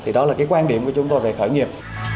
thì đó là cái quan điểm của chúng tôi về khởi nghiệp